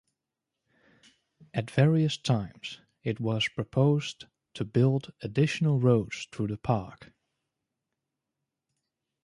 At various times, it was proposed to build additional roads through the park.